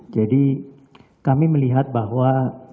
jadi kami melihat bahwa